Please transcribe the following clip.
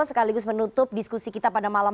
sekaligus menutup diskusi kita pada malam